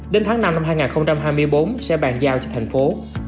đến tháng năm năm hai nghìn hai mươi bốn sẽ bàn giao cho thành phố